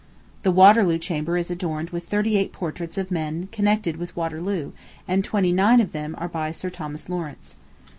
The Waterloo Chamber is adorned with thirty eight portraits of men connected with Waterloo, and twenty nine of them are by Sir Thomas Lawrence.